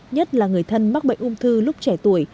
nhất là người thân mắc bệnh ung thư lúc trẻ tuổi